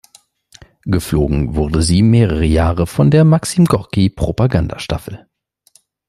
Geflogen wurde sie mehrere Jahre von der Maxim-Gorki-Propagandastaffel.